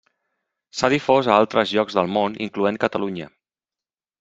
S'ha difós a altres llocs del món incloent Catalunya.